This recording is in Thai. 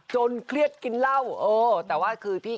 จนเครียดกินเหล้าแต่ว่าคือ